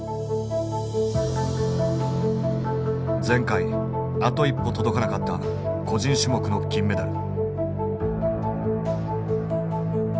前回あと一歩届かなかった個人種目の金メダル。